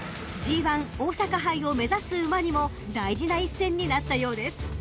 ［ＧⅠ大阪杯を目指す馬にも大事な一戦になったようです］